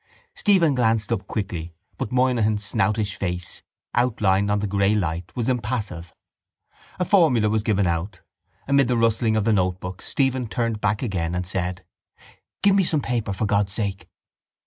Stephen glanced up quickly but Moynihan's snoutish face, outlined on the grey light, was impassive. A formula was given out. Amid the rustling of the notebooks Stephen turned back again and said: —Give me some paper for God's sake.